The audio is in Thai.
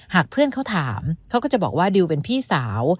หากเพื่อนเขาถามเขาก็จะบอกว่าดิวเป็นพี่สาว